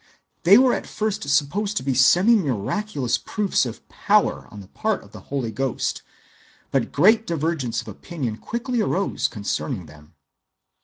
They were at first supposed to be semi‐miraculous proofs of "power" on the part of the Holy Ghost; but great divergence of opinion quickly arose concerning them.